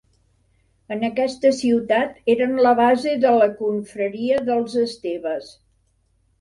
En aquesta ciutat eren la base de la confraria dels esteves.